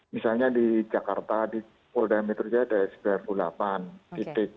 misalnya di jakarta di polda metro jaya ada sembilan puluh delapan titik